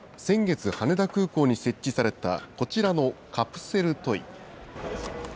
先月、羽田空港に設置されたこちらのカプセルトイ。